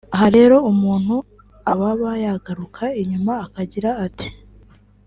Aha rero umuntu ababa yagaruka inyuma akagira ati